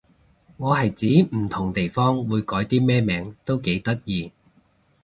我係指唔同地方會改啲咩名都幾得意